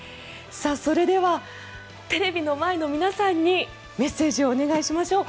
それではテレビの前の皆さんにメッセージをお願いしましょう。